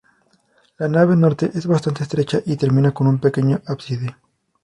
La nave norte es bastante estrecha y termina con un pequeño ábside.